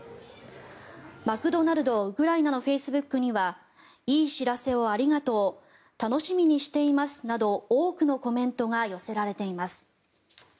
マクドナルド・ウクライナのフェイスブックにはいい知らせをありがとう楽しみにしていますなど多くのコメントが寄せられています。